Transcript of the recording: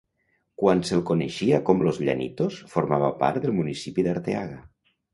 Quan se'l coneixia com Los Llanitos, formava part del municipi d'Arteaga.